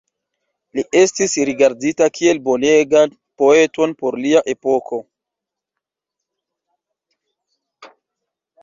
Li estis rigardita kiel bonegan poeton por lia epoko.